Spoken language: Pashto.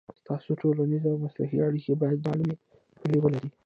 ستاسو ټولنیزې او مسلکي اړیکې باید معلومې پولې ولري.